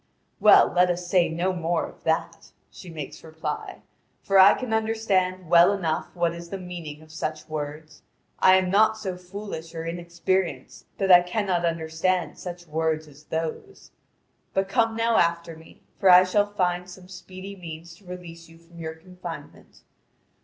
"Well, let us say no more of that," she makes reply, "for I can understand well enough what is the meaning of such words. I am not so foolish or inexperienced that I cannot understand such words as those; but come now after me, for I shall find some speedy means to release you from your confinement.